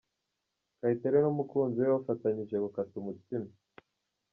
Kayitare n'umukunzi we bafatanyije gukata umutsima.